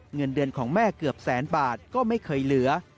เงินเดือนของแม่เกือบแสนบาทก็ไม่เคยเหลือ